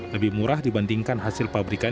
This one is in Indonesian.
lebih murah dibandingkan hasil pabrikan